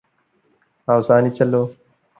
അവസാനിച്ചല്ലോ